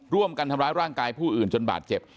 ร่วมกันทำร้ายร่างกายผู้อื่นจนบาดเจ็บ